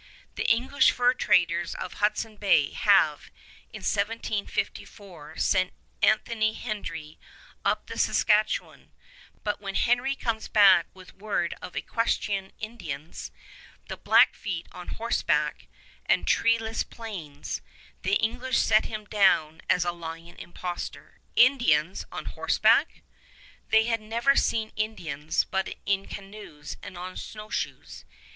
The English fur traders of Hudson Bay have, in 1754, sent Anthony Hendry up the Saskatchewan, but when Hendry comes back with word of equestrian Indians the Blackfeet on horseback and treeless plains, the English set him down as a lying impostor. Indians on horseback! They had never seen Indians but in canoes and on snowshoes!